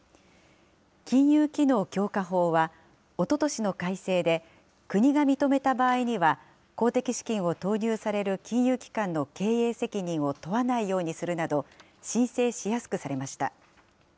金融機能強化法は、おととしの改正で、国が認めた場合には、公的資金を投入される金融機関の経営責任を問わないようにするなど、申請しやすくされました。